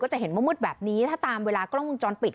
จะเห็นว่ามืดแบบนี้ถ้าตามเวลากล้องวงจรปิด